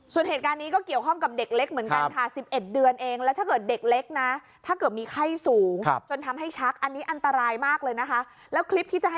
ส่วนเหตุการณ์นี้ก็เกี่ยวข้อมกับเด็กเล็กเหมือนกันค่ะ